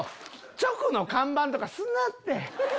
直の看板とかすんなって！